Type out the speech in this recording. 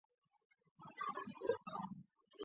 霍雷肖是一个位于美国阿肯色州塞维尔县的城市。